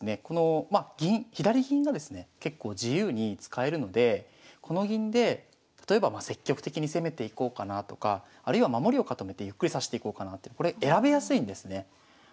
この左銀がですね結構自由に使えるのでこの銀で例えば積極的に攻めていこうかなとかあるいは守りを固めてゆっくり指していこうかなって選びやすいんですね。